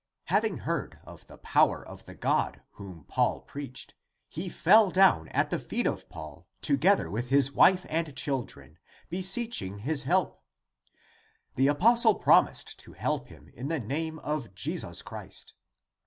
Having heard of the power of the God whom Paul preached, he fell down at the feet of Paul together with his wife and children, be seeching his help. The apostle promised to help him in the name of Jesus Christ.